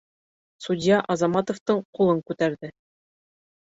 Судья Азаматовтың ҡулын күтәрҙе